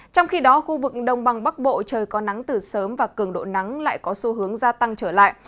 trong khi đó khu vực đông băng bắc bộ trời có nắng từ sớm và cường độ nắng lại có xu hướng gia tăng trở lại